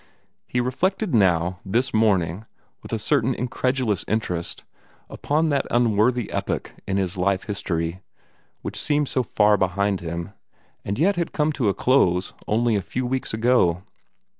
He reflected now, this morning, with a certain incredulous interest, upon that unworthy epoch in his life history, which seemed so far behind him, and yet had come to a close only a few weeks ago.